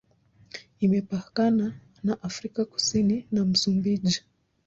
Imepakana na Afrika Kusini na Msumbiji.